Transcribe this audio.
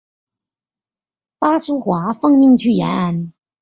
巴苏华奉命去延安。